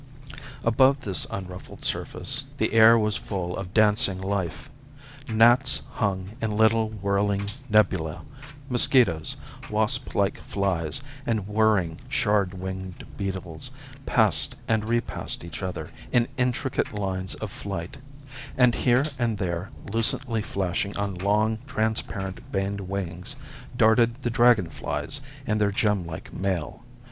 Above this unruffled surface the air was full of dancing life. Gnats hung in little, whirling nebulæ; mosquitoes, wasplike flies, and whirring, shard winged beetles, passed and repassed each other in intricate lines of flight; and, here and there, lucently flashing on long, transparent, veined wings, darted the dragon flies in their gemlike mail.